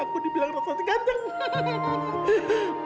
aku dibilang rasa rasa ganteng